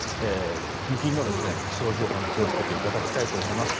近々の気象情報に気を付けていただきたいと思います。